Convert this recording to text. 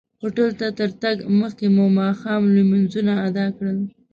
هوټل ته تر تګ مخکې مو ماښام لمونځونه ادا کړل.